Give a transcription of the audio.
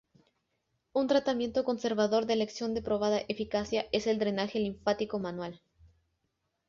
Un tratamiento conservador de elección de probada eficacia es el drenaje linfático manual.